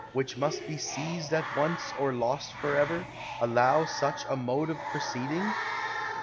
248 OTHO which must be seized at once or lost forevor, allow such a mode of proceeding?